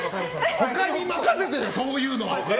他に任せてろそういうのは。